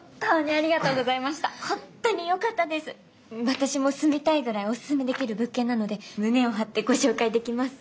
私も住みたいぐらいおすすめできる物件なので胸を張ってご紹介できます。